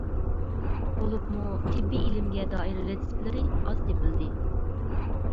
بولۇپمۇ تېببىي ئىلىمگە دائىر رېتسېپلىرى ئاز تېپىلدى.